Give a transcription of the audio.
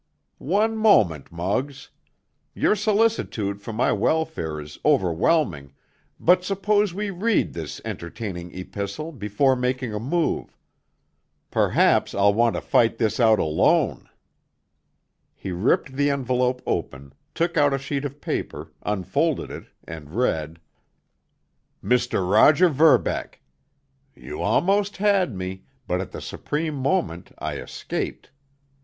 "One moment, Muggs! Your solicitude for my welfare is overwhelming—but suppose we read this entertaining epistle before making a move. Perhaps I'll want to fight this out alone." He ripped the envelope open, took out a sheet of paper, unfolded it, and read: Mr. Roger Verbeck: You almost had me, but at the supreme moment I escaped.